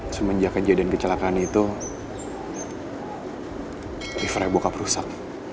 semenjak kejadian kecelakaan itu liverya bokap rusak